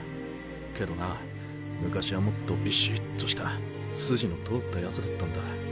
けどな昔はもっとビシっとした筋の通ったヤツだったんだ。